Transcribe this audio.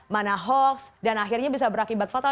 mana hoax dan akhirnya bisa berakibat fatal